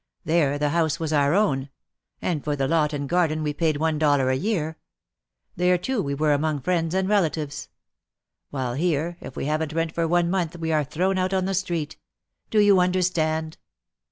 There the house was our own. And for the lot and garden we paid one dollar a year. There, too, we were among OUT OF THE SHADOW 107 friends and relatives. While here, if we haven't rent for one month we are thrown out on the street. Do you understand